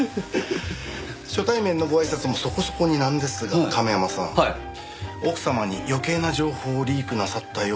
初対面のご挨拶もそこそこになんですが亀山さん奥様に余計な情報をリークなさったようですね。